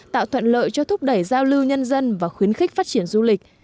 tạo thuận lợi cho thúc đẩy giao lưu nhân dân và khuyến khích phát triển du lịch